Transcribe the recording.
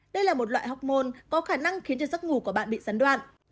đây là một loại học môn có khả năng khiến cho giấc ngủ của bạn bị gián đoạn